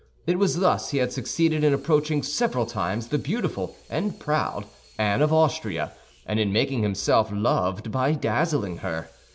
It was thus he had succeeded in approaching several times the beautiful and proud Anne of Austria, and in making himself loved by dazzling her.